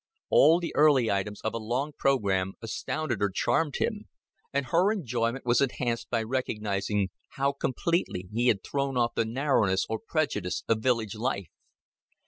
All the early items of a long program astounded or charmed him; and her enjoyment was enhanced by recognizing how completely he had thrown off the narrowness or prejudice of village life.